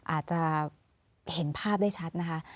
อาจจะเห็นภาพได้ชัดนะคะ